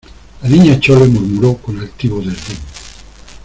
la Niña Chole murmuró con altivo desdén: